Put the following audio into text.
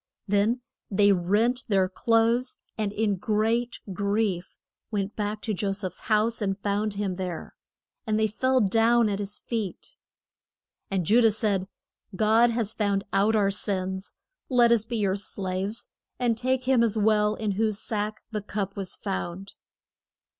Then they rent their clothes, and in great grief went back to Jo seph's house and found him there. And they fell down at his feet. [Illustration: JA COB BLESS ES JO SEPH'S CHIL DREN.] And Ju dah said, God has found out our sins. Let us be your slaves; and take him as well in whose sack the cup was found.